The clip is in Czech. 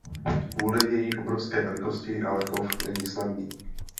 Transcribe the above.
Kvůli její obrovské velikosti ale chov není snadný.